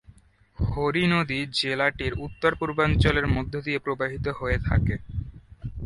হরি নদী জেলাটির উত্তর-পূর্বাঞ্চলের মধ্য দিয়ে প্রবাহিত হয়ে থাকে।